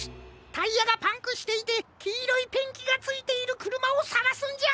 タイヤがパンクしていてきいろいペンキがついているくるまをさがすんじゃ！